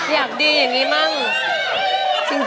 อยากดีอย่างนี้มั้ง